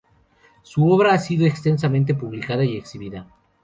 Su obra ha sido extensamente publicada y exhibida.